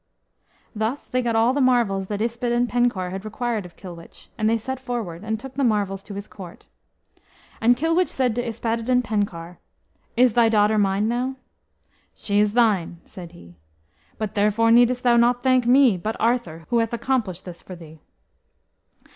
Thus they got all the marvels that Yspadaden Penkawr had required of Kilwich; and they set forward, and took the marvels to his court. And Kilwich said to Yspadaden Penkawr, "Is thy daughter mine now?" "She is thine," said he, "but therefore needest thou not thank me, but Arthur, who hath accomplished this for thee."